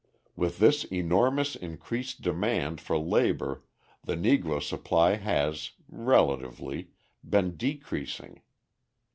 With this enormous increased demand for labour the Negro supply has, relatively, been decreasing.